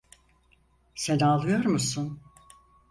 Sen ağlıyor musun?